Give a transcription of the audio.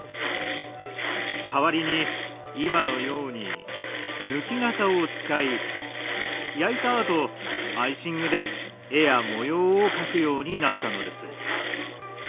代わりに今のように抜き型を使い焼いた後アイシングで絵や模様を描くようになったのです。